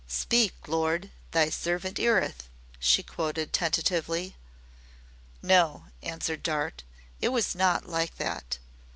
"'Speak, Lord, thy servant 'eareth,'" she quoted tentatively. "No," answered Dart; "it was not like that.